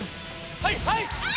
はいはい！